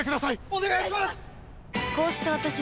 お願いします！